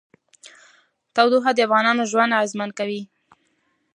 تودوخه د افغانانو ژوند اغېزمن کوي.